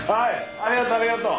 ありがとうありがとう。